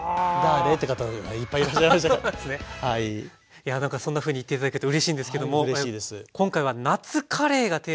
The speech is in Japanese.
いやなんかそんなふうに言って頂けてうれしいんですけども今回は「夏カレー」がテーマということで。